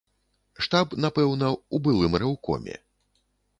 Штаб, напэўна, у былым рэўкоме.